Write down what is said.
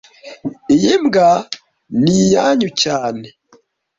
Iyi mbwa ni iyanyu cyane